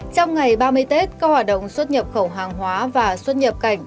trong ngày ba mươi tết các hoạt động xuất nhập khẩu hàng hóa và xuất nhập cảnh